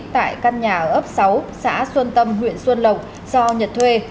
tại căn nhà ở ấp sáu xã xuân tâm huyện xuân lộc do nhật thuê